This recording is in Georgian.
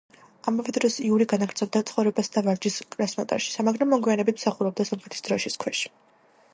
ამავე დროს იური განაგრძობდა ცხოვრებას და ვარჯიშს კრასნოდარში, მაგრამ მოგვიანებით მსახურობდა სომხეთის დროშის ქვეშ.